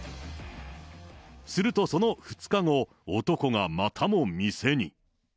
すると、その２日後、男がまたも店に。